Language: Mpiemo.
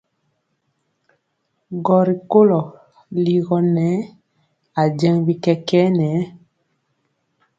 Gɔ rikolɔ ligɔ nɛ ajeŋg bi kɛkɛɛ nɛ.